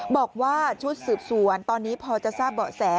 บอกว่าชุดสืบสวนตอนนี้พอจะทราบเบาะแส